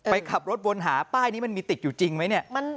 ขับรถวนหาป้ายนี้มันมีติดอยู่จริงไหมเนี่ย